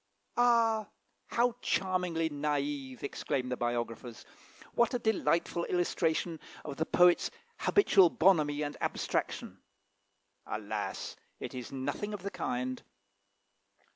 "Ah! how charmingly naive!" exclaim the biographers; "what a delightful illustration of the poet's habitual bonhomie and abstraction!" Alas! it is nothing of the kind.